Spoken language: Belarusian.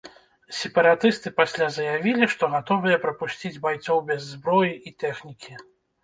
Сепаратысты пасля заявілі, што гатовыя прапусціць байцоў без зброі і тэхнікі.